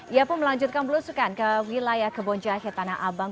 ia pun melanjutkan berlusukan ke wilayah kebonca ketana abang